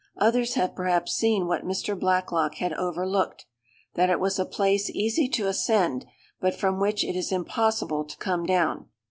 Others have perhaps seen what Mr. Blacklock had overlooked—that it was a place easy to ascend, but from which it is impossible to come down.